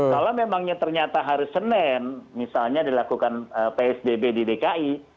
kalau memangnya ternyata hari senin misalnya dilakukan psbb di dki